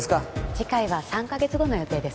次回は３カ月後の予定です